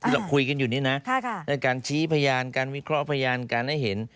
เราคุยกันอยู่นี่นะในการชี้พยานการวิเคราะห์พยานการให้เห็น